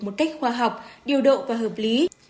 một cách khoa học điều độ và hợp lý